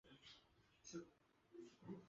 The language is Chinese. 马岭竹为禾本科簕竹属下的一个种。